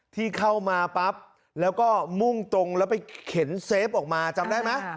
ที่เข้ามาปั๊บแล้วก็มุ่งตรงแล้วไปเข็นเซฟออกมาจำได้ไหม